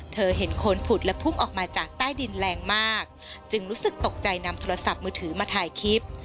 เธอเห็นคนผุดและพุ่งออกมาจากใต้ดินแรงมากจึงรู้สึกตกใจนำโทรศัพท์มือถือมาถ่ายคลิป